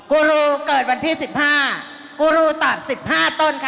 กูรูเกิดวันที่สิบห้ากูรูตอบสิบห้าต้นค่ะ